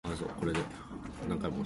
オレンジと白のチェック模様のハンカチ